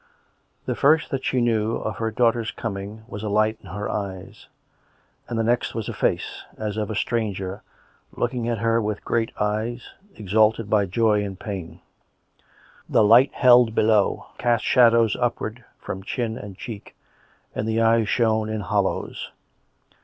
The first that she knew of her daughter's coming was a light in her eyes ; and the next was a face, as of a stranger, looking at her with great eyes, exalted by joy and pain. The light, held below, cast shadows upwards from chin and cheek, and the eyes shone in hollows.